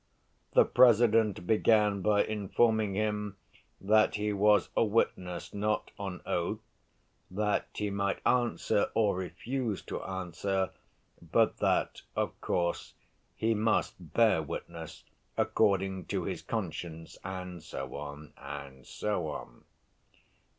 The President began by informing him that he was a witness not on oath, that he might answer or refuse to answer, but that, of course, he must bear witness according to his conscience, and so on, and so on.